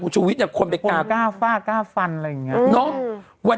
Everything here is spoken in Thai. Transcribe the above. คุณชูวิตอ่ะคนไปกาก้าฟ้าก้าฟันอะไรอย่างนี้เนอะวัน